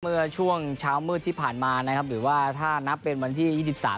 เมื่อช่วงเช้ามืดที่ผ่านมานะครับหรือว่าถ้านับเป็นวันที่ยี่สิบสาม